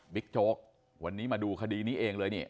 โจ๊กวันนี้มาดูคดีนี้เองเลยนี่